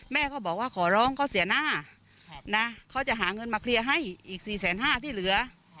แม่เขาบอกว่าขอร้องเขาเสียหน้านะเขาจะหาเงินมาเคลียร์ให้อีก๔๕๐๐ที่เหลือ